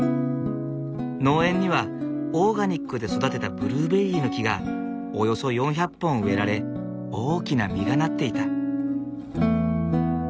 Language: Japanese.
農園にはオーガニックで育てたブルーベリーの木がおよそ４００本植えられ大きな実がなっていた。